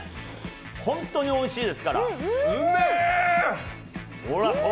本当においしいですから。